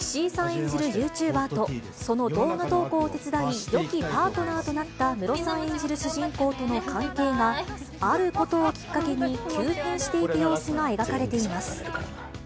演じるユーチューバーと、その動画投稿を手伝い、よきパートナーとなったムロさん演じる主人公との関係が、あることをきっかけに急変していく様子が描かれています。